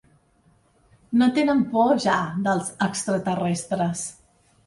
No tenen por, ja, dels extraterrestres.